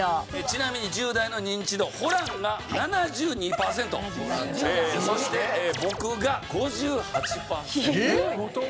ちなみに１０代のニンチドホランが７２パーセントそして僕が５８パーセント。